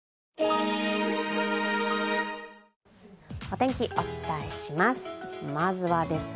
お天気、お伝えします。